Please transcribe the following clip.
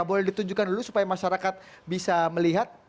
boleh ditunjukkan dulu supaya masyarakat bisa melihat